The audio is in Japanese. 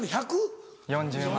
１４０万。